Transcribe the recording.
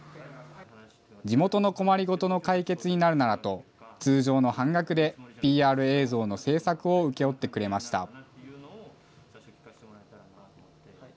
地元の困り事の解決になるならと、通常の半額でＰＲ映像の制作を請け負ってくれました。